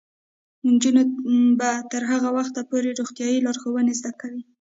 نجونې به تر هغه وخته پورې روغتیايي لارښوونې زده کوي.